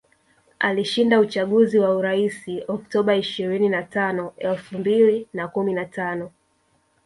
Alishinda uchaguzi wa urais Oktoba ishirini na tano elfu mbili na kumi na tano